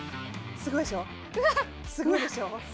すごいでしょ？